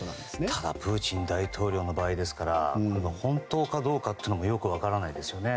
ただプーチン大統領ですからこれが本当かどうかというのもよく分からないですよね。